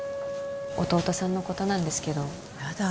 弟さんのことなんですけどやだ